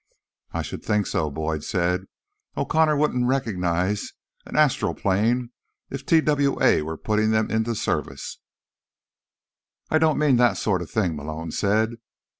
"I should think so," Boyd said. "O'Connor wouldn't recognize an astral plane if TWA were putting them into service." "I don't mean that sort of thing," Malone said.